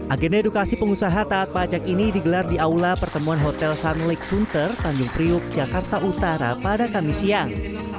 agenda edukasi pengusaha taat pajak ini digelar di aula pertemuan hotel sunlike sunter tanjung priuk jakarta utara pada kamis siang